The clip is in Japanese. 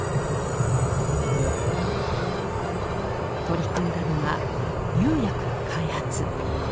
取り組んだのは釉薬の開発。